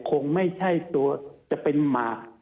คงไม่ใช่ตัวจะเป็นหมาก